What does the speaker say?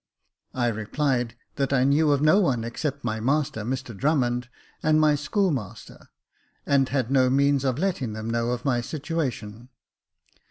I replied, that I knew of no one, except my master, Mr Drummond, and my schoolmaster; and had no means of letting them know of my situation.